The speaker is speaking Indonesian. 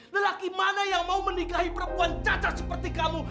lelaki mana yang mau menikahi perempuan cacat seperti kamu